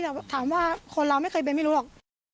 แต่ถามว่าคนเราไม่เคยเป็นไม่รู้หรอก